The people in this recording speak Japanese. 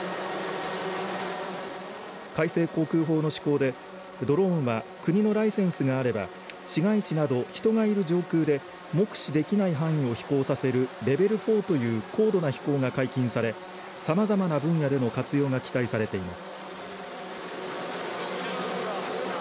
改正航空法の施行でドローンは国のライセンスがあれば市街地など、人がいる上空で目視できない範囲を飛行させるレベル４という高度な飛行が解禁されさまざまな分野での活用が期待されています。